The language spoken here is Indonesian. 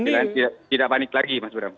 dengan tidak panik lagi mas bram